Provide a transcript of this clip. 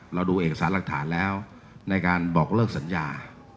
เราดูเอกสารหลักฐานแล้วในการบอกเลิกสัญญา